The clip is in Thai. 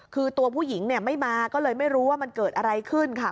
คือตัวผู้หญิงเนี่ยไม่มาก็เลยไม่รู้ว่ามันเกิดอะไรขึ้นค่ะ